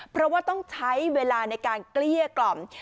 เพราะว่าต้องใช้เวลาในการเกลี้ยกล่อม